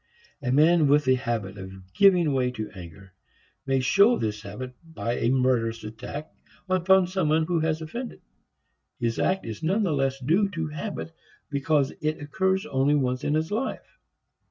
A man with the habit of giving way to anger may show his habit by a murderous attack upon some one who has offended. His act is nonetheless due to habit because it occurs only once in his life.